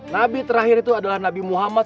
nabi terakhir itu adalah nabi muhammad